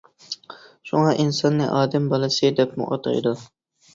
شۇڭا ئىنساننى ئادەم بالىسى دەپمۇ ئاتايدۇ.